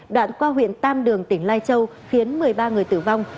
đoạn qua huyện tam đường tỉnh lai châu khiến một mươi ba người tử vong